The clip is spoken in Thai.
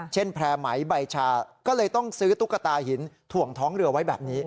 แพร่ไหมใบชาก็เลยต้องซื้อตุ๊กตาหินถ่วงท้องเรือไว้แบบนี้